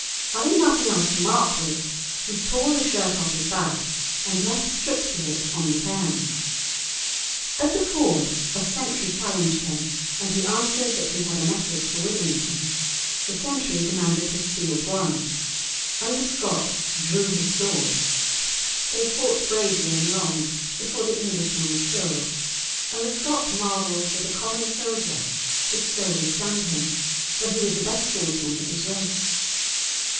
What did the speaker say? Having nothing else to mark with, he tore the shirt off his back, and left strips of it on the cairns. At the ford a sentry challenged him, and he answered that he had a message for Withrington. The sentry demanded his sealed warrant, and the Scot drew his sword. They fought bravely and long before the Englishman was killed, and the Scot marvelled that a common soldier should so withstand him, for he was the best swordsman of his race.